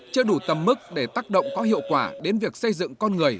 chưa đủ tầm mức để tác động có hiệu quả đến việc xây dựng con người